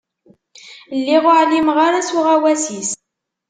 Lliɣ ur εlimeɣ s uɣawas-is.